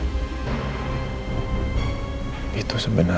nino tahu masalahnya